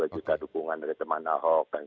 dua juta dukungan dari teman ahok